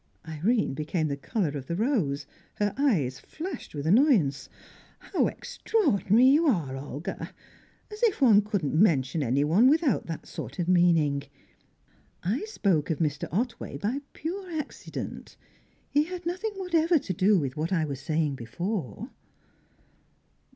Irene became the colour of the rose; her eyes flashed with annoyance. "How extraordinary you are, Olga! As if one couldn't mention anyone without that sort of meaning! I spoke of Mr. Otway by pure accident. He had nothing whatever to do with what I was saying before."